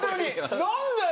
何だよ！